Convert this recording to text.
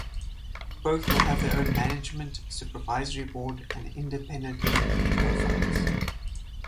Both will have their own Management, Supervisory Board and independent company profiles.